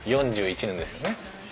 ４１年ですよね？